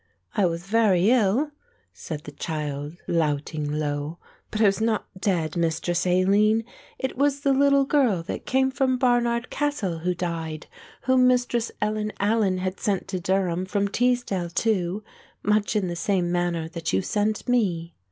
"I was very ill," said the child, louting low, "but I was not dead, Mistress Aline; it was the little girl that came from Barnard Castle, who died, whom Mistress Ellen Allen had sent to Durham from Teesdale too, much in the same manner that you sent me."